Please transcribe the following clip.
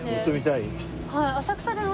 はい。